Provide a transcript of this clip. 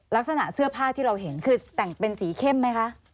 ลักษณะเสื้อผ้าที่เราเห็นคือแต่งเป็นสีเข้มไหมคะ